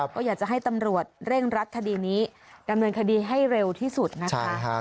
ก็อยากจะให้ตำรวจเร่งรัดคดีนี้ดำเนินคดีให้เร็วที่สุดนะคะ